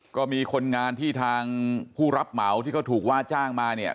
ก็มีคนงานที่ทางผู้รับเหมาที่เขาถูกว่าจ้างมาเนี่ย